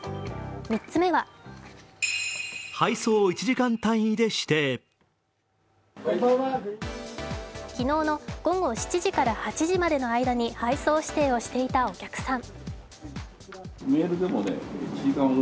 ３つ目は昨日の午後７時から８時までの間に配送指定をしていたお客さん。